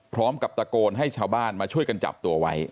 พร้อมกับตะโกนให้ชาวบ้านมาช่วยกันจับตัวไว้